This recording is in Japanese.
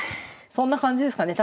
そんな感じですかね